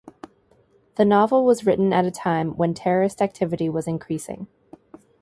The novel was written at a time when terrorist activity was increasing.